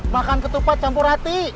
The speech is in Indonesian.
makan ketupat campur hati